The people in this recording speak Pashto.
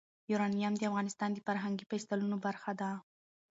یورانیم د افغانستان د فرهنګي فستیوالونو برخه ده.